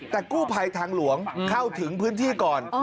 แต่กู้ภัยทางหลวงเข้าถึงพื้นที่ก่อน